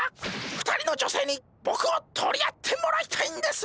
２人の女性にボクを取り合ってもらいたいんです！